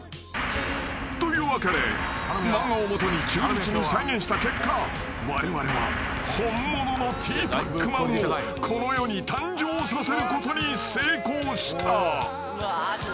［というわけで漫画を基に忠実に再現した結果われわれは本物のティーパックマンをこの世に誕生させることに成功した］